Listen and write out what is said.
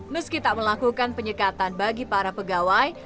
meski tak melakukan penyekatan bagi para pegawai